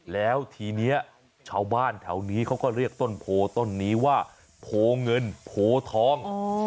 แล้วทีนี้ชาวบ้านแถวนี้เขาก็เรียกต้นโพต้นนี้ว่าโพเงินโพทอง